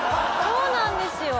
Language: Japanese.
そうなんですよ。